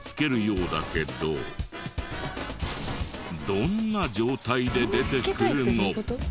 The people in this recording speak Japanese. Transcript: どんな状態で出てくるの？